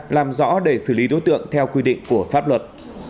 làm rõ để xử lý đối tượng theo quy định của pháp luật